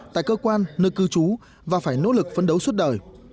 tại cơ quan nơi cư trú và phải nỗ lực phân đấu suốt đời